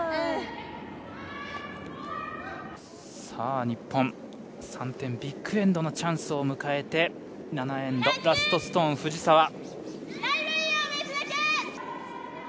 さあ日本３点ビッグエンドのチャンスを迎えて７エンドラストストーン藤澤。